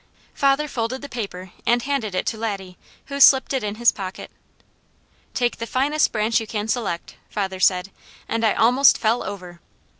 Father folded the paper and handed it to Laddie, who slipped it in his pocket. "Take the finest branch you can select," father said, and I almost fell over.